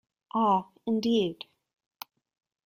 Ah, indeed.